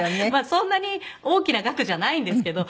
そんなに大きな額じゃないんですけど。